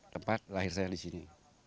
tempat lahir saya di sini